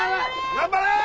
頑張れ！